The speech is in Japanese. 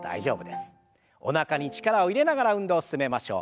おなかに力を入れながら運動進めましょう。